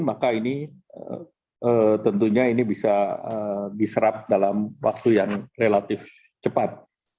maka ini tentunya ini bisa diserap dalam waktu yang relatif cepat